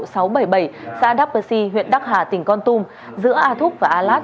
xã đắp bờ si huyện đắk hà tỉnh con tum giữa a thúc và a lát